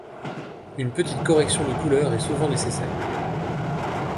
Une petite correction de couleur est souvent nécessaire.